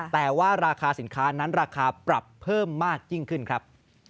แต่ว่าราคาสินค้านั้นราคาปรับเพิ่มมากยิ่งขึ้นครับ